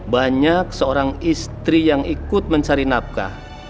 banyak seorang istri yang ikut mencari nafkah